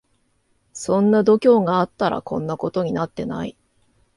そんな度胸があったらこんなことになってない